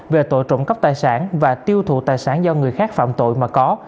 về tội trộm cắp tài sản và tiêu thụ tài sản do người khác phạm tội mà có